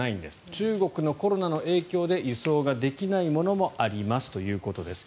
中国のコロナの影響で輸送ができないものもありますということです。